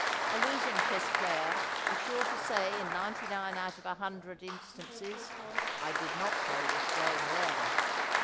A losing chess player is sure to say in ninety nine out of a hundred instances: "I did not play this game well."